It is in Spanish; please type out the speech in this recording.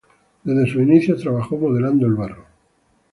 Desde sus inicios trabajó modelando el barro.